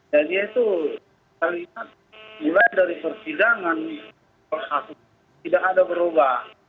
jadi itu saya lihat nilai dari persidangan tidak ada berubah